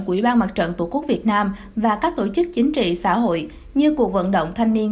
của ủy ban mặt trận tổ quốc việt nam và các tổ chức chính trị xã hội như cuộc vận động thanh niên